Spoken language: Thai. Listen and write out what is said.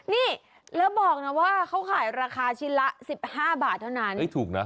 นี่แล้วบอกนะว่าเขาขายราคาชิ้นละ๑๕บาทเท่านั้นไม่ถูกนะ